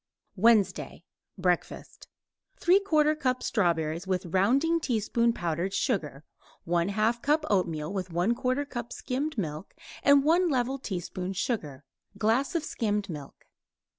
WEDNESDAY BREAKFAST 3/4 cup strawberries with rounding teaspoon powdered sugar; 1/2 cup oatmeal with 1/4 cup skimmed milk and 1 level teaspoon sugar; glass of skimmed milk.